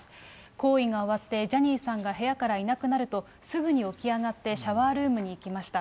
行為が終わって、ジャニーさんが部屋からいなくなると、すぐに起き上がってシャワールームに行きました。